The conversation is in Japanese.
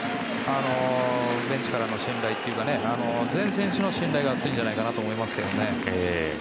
ベンチからの信頼というか全選手の信頼が厚いんじゃないかと思います。